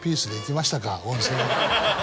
温泉。